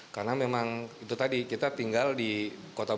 karena memang itu tadi kita tinggal di kota barat